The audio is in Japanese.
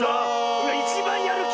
うわいちばんやるき！